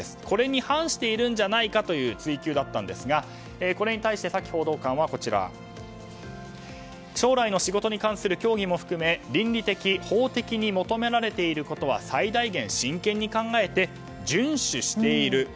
これに反しているんじゃないかという追及だったんですがこれに対して、サキ報道官は将来の仕事に関する協議も含め倫理的、法的に求められていることは最大限、真剣に考えて順守している。